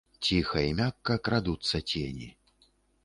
Ціха і мякка крадуцца цені.